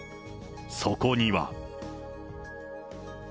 そこには。